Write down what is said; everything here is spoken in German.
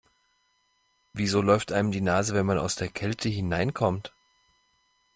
Wieso läuft einem die Nase, wenn man aus der Kälte hineinkommt?